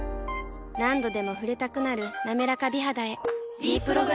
何度でも触れたくなる「なめらか美肌」へ「ｄプログラム」